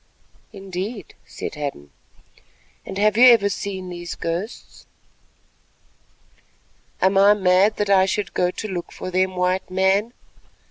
"Indeed," said Hadden, "and have you ever seen these ghosts?" "Am I mad that I should go to look for them, White Man?